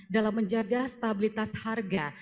dalam menjaga stabilitas harga